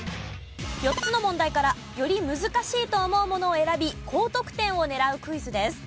４つの問題からより難しいと思うものを選び高得点を狙うクイズです。